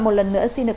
một lần nữa xin được